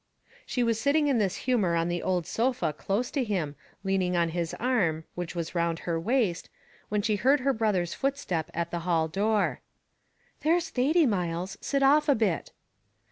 She was sitting in this humour on the old sofa close to him, leaning on his arm, which was round her waist, when she heard her brother's footstep at the hall door. "Here's Thady, Myles; sit off a bit."